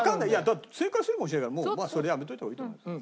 だって正解してるかもしれないからまあそれでやめておいた方がいいと思います。